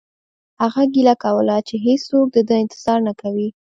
هغه ګیله کوله چې هیڅوک د ده انتظار نه کوي